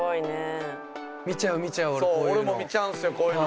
見ちゃう俺こういうの。